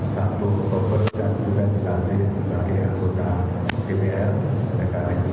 satu pemerintah juga dikandil sebagai anggota pnp menteri pengunduran dan penanakan